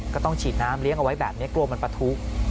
ก็ต้องฉีดน้ำเลี้ยงเอาไว้แบบนี้กลัวมันปะทุ